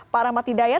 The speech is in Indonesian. pak rahmat hidayat